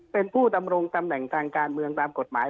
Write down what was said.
เป็นผู้ดำรงตำแหน่งทางการเมืองตามกฎหมาย